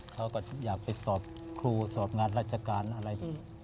เขาก็อยากไปสอบครูสอบงานราชการอะไร